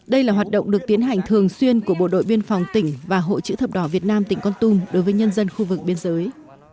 đây là hoạt động được tiến hành thường xuyên của bộ đội biên phòng tỉnh và hội chữ thập đỏ việt nam tỉnh con tum đối với nhân dân khu vực biên giới